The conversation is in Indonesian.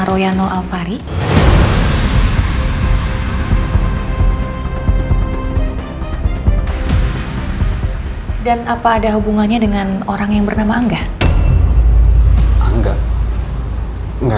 terima kasih ma